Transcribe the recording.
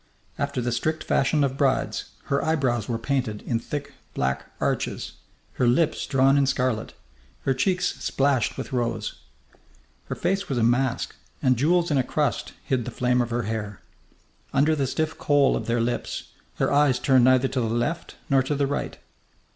After the strict fashion of brides, her eyebrows were painted in thick black arches, her lips drawn in scarlet, her cheeks splashed with rose. Her face was a mask, and jewels in a crust hid the flame of her hair. Under the stiff kohl of their lids her eyes turned neither to the left nor to the right.